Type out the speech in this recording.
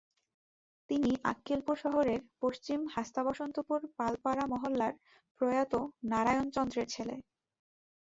তিনি আক্কেলপুর শহরের পশ্চিম হাস্তাবসন্তপুর পালপাড়া মহল্লার প্রয়াত নারায়ণ চন্দ্রের ছেলে।